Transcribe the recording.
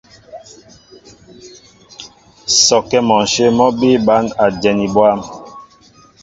Sɔkɛ́ mɔ ǹshyə̂ mɔ́ bíí bǎn a dyɛni bwâm.